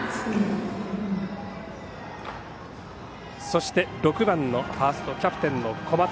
そして、６番のファーストキャプテンの小松。